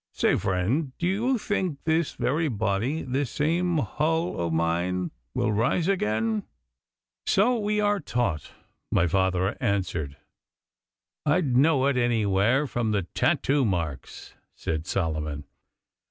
Say, friend, d'ye think this very body, this same hull o' mine, will rise again?' 'So we are taught,' my father answered. 'I'd know it anywhere from the tattoo marks,' said Solomon.